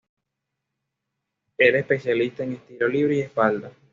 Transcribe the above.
Era especialista en estilo libre y espalda.